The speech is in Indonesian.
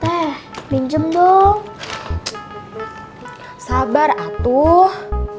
eh pinjem dong sabar atuh